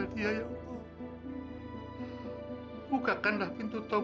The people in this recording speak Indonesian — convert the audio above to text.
bapak tidak akan membeli keadaan tersebut suka project vr